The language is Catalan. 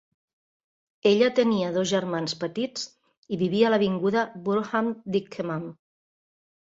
Ella tenia dos germans petits i vivia a l'avinguda Burnham d'Ickenham.